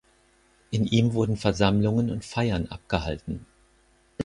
In ihm wurden Versammlungen und Feiern abgehalten.